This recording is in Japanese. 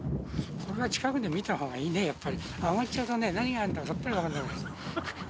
これは近くで見たほうがいいね、揚がっちゃうと、何があるかさっぱり分からない。